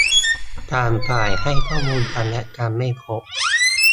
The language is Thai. ต่างฝ่ายให้ข้อมูลกันและกันไม่ครบ